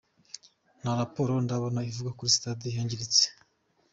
Nta raporo ndabona ivuga ko sitade yangiritse.